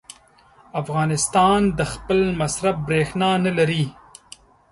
افغانستان د خپل مصرف برېښنا نه لري.